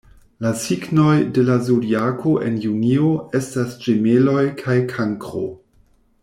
La signoj de la Zodiako en junio estas Ĝemeloj kaj Kankro.